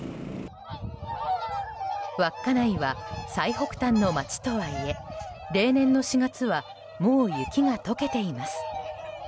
稚内は最北端の町とはいえ例年の４月はもう雪が解けています。